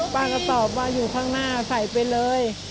ป้าก็ตอบว่าอยู่ข้างหน้าใส่ไปเลย